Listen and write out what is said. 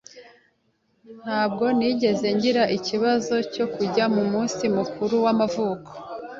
Ntabwo nigeze ngira ikibazo cyo kujya mu munsi mukuru w'amavuko.